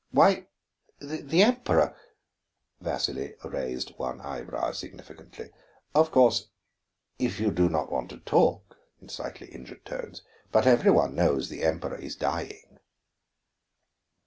"Why, the Emperor " Vasili raised one eyebrow significantly. "Of course, if you do not want to talk," in slightly injured tones. "But every one knows that the Emperor is dying."